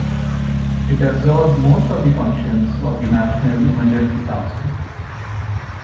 It absorbed most of the functions of the National Emergency Council.